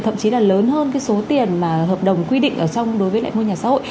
thậm chí là lớn hơn cái số tiền mà hợp đồng quy định ở trong đối với lại ngôi nhà xã hội